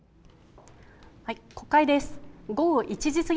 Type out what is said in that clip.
国会です。